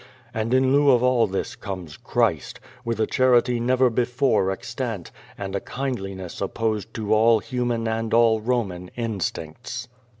And in lieu of all this comes Christ, with a charity never be fore extant, and a kindliness opposed to all human and all Roman instincts.